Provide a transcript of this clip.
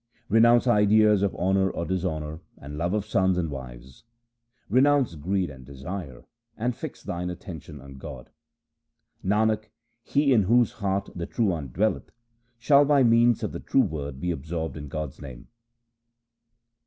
Renounce ideas of honour or dishonour and love of sons and wives ; renounce greed and desire, and fix thine at tention on God. Nanak, he in whose heart the True One dwelleth, shall by means of the true Word be absorbed in God's name.